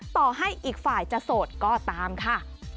ต่อให้อีกฝ่ายจะโสดก็ตามค่ะ